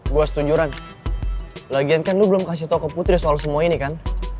gue harus tunjuran lagian kan lo belum kasih tau ke putri soal semua ini kan